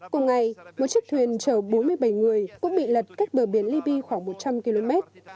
cùng ngày một chiếc thuyền chở bốn mươi bảy người cũng bị lật cách bờ biển liby khoảng một trăm linh km